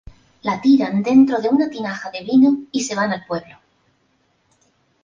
La tiran dentro de una tinaja de vino y se van del pueblo.